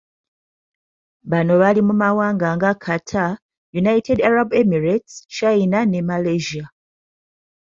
Bano bali mu mawanga nga Qatar, United Arab Emirates, China ne Malaysia.